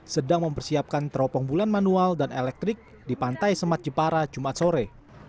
sedang mempersiapkan teropong bulan manual dan elektrik di pantai semat jepara jumat sore